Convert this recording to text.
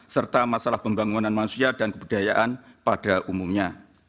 serta masalah pembangunan manusia dan kebudayaan pada umumnya